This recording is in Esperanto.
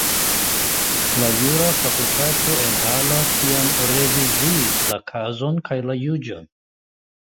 La jura fakultato en Halle tiam reviziis la kazon kaj la juĝon.